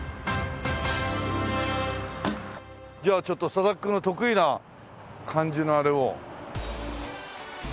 じゃあちょっと佐々木君の得意な感じのあれを。